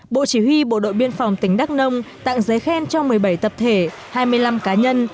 bộ chỉ huy bộ đội biên phòng tỉnh đắk nông tặng giấy khen cho một mươi bảy tập thể hai mươi năm cá nhân